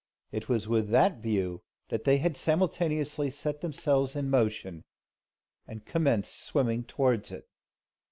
It was with that view they had simultaneously set themselves in motion, and commenced swimming towards it.